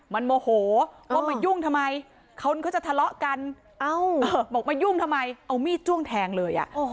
มันโมโหว่ามายุ่งทำไมคนเขาจะทะเลาะกันบอกมายุ่งทำไมเอามีดจ้วงแทงเลย